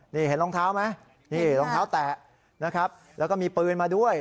นี่เห็นรองเท้าไหมนี่รองเท้าแตะนะครับแล้วก็มีปืนมาด้วย